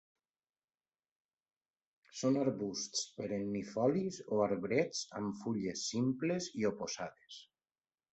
Són arbusts perennifolis o arbrets amb fulles simples i oposades.